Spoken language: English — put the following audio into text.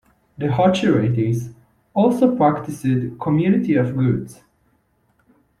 The Hutterites also practiced community of goods.